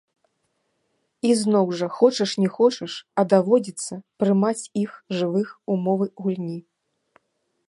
І, зноў жа, хочаш не хочаш, а даводзіцца прымаць іх, жывых, умовы гульні.